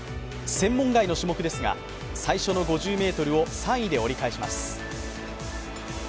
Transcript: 専門外の種目ですが、最初の５０ｍを３位で折り返します。